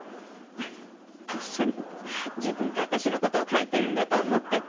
こっそり自分とあたしの事を書いてるんだと思ってた。